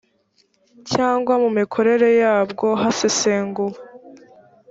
cyangwa mu mikorere yabwo hasesenguwe